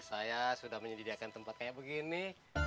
saya sudah menyediakan tempat kayak begini